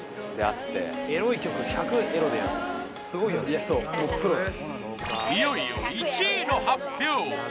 いやそうもういよいよ１位の発表